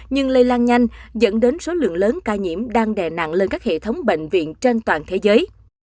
nhưng lây lan nhanh dẫn đến số lượng lớn ca nhiễm đang đè nặng lên các hệ thống bệnh viện trên toàn thế giới